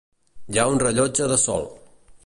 Hi ha un rellotge de sol.